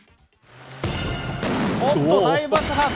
おっと、大爆発。